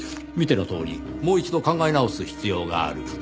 見てのとおりもう一度考え直す必要がある。